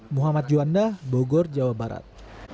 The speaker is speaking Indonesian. muhammad juanda bogor jawa barat